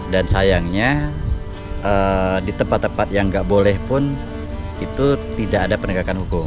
dan sayangnya di tempat tempat yang tidak boleh pun itu tidak ada penegakan hukum